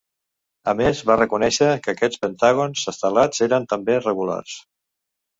A més, va reconèixer que aquests pentàgons estelats eren també regulars.